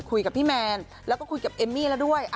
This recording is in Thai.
คุยกับพี่แมนแล้วก็คุยกับเอมมี่แล้วด้วย